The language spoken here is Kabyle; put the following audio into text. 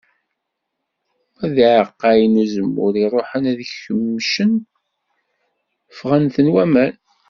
Ma d iεeqqayen n uzemmur i iruḥen ad kemcen, fγen-ten waman.